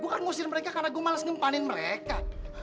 gue kan ngusirin mereka karena gue males ngempanin mereka